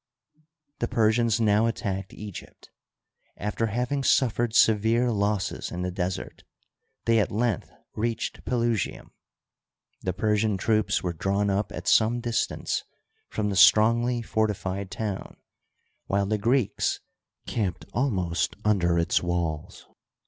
The Persians now attacked Egypt. After having suf fered severe losses in the desert, they at length reached Pelusium. The Persian troops were drawn up at some distance from the strongly fortified town, while the Greeks camped almost under its walls.